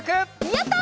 やった！